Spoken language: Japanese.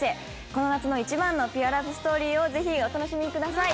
この夏の一番のピュアラブストーリーをぜひお楽しみください！